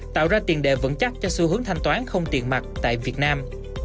tạo ra tiền đề vững chắc cho xu hướng thanh toán không tiền mặt tại việt nam